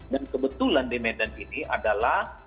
dan kebetulan di medan ini adalah